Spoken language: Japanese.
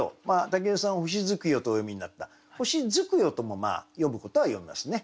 武井さん「ほしづきよ」とお読みになった「ほしづくよ」とも読むことは読みますね。